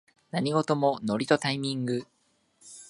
何事もノリとタイミング